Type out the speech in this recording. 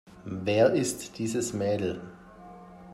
Wer ist dieses Mädel?